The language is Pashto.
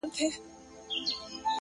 د شپې نيمي كي;